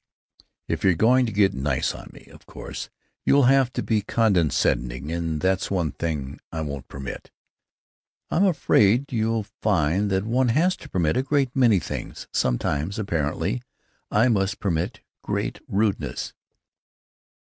"If you're going to get 'nice' on me, of course you'll have to be condescending, and that's one thing I won't permit." "I'm afraid you'll find that one has to permit a great many things. Sometimes, apparently, I must permit great rudeness."